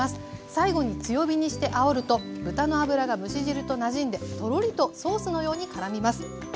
最後に強火にしてあおると豚の脂が蒸し汁となじんでとろりとソースのようにからみます。